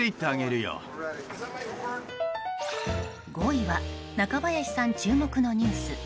５位は中林さん注目のニュース。